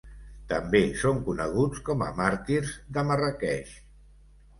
També són coneguts com a màrtirs de Marràqueix.